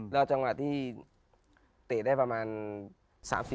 แล้วจังหวะที่เตะได้ประมาณ๓๐